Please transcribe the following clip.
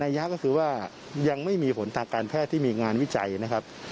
ยะก็คือว่ายังไม่มีผลทางการแพทย์ที่มีงานวิจัยนะครับ